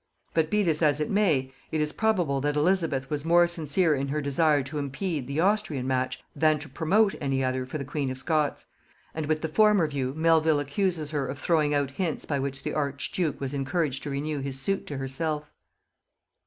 But be this as it may, it is probable that Elizabeth was more sincere in her desire to impede the Austrian match than to promote any other for the queen of Scots; and with the former view Melvil accuses her of throwing out hints by which the archduke was encouraged to renew his suit to herself.